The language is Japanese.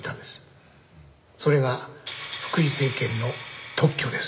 それが福井精研の特許です。